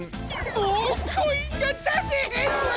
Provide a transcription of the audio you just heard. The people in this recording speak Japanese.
もうコインがだせへんわ！